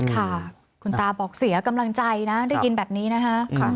ค่ะคุณตาบอกเสียกำลังใจนะได้ยินแบบนี้นะคะ